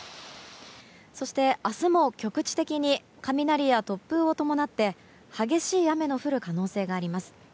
そして、明日も局地的に雷や突風を伴って激しい雨の降る可能性があります。